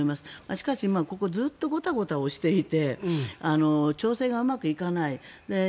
しかしここずっとごたごたしていて調整がうまくいかない。